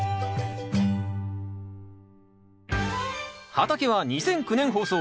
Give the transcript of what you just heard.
「畑」は２００９年放送。